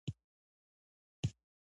احساساتي چلند ژبې ته زیان رسوي.